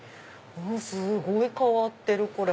すごい変わってるこれ！